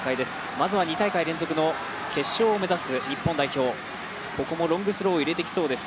まずは２大会連続の決勝を目指す日本代表、ここもロングスローを入れてきそうです。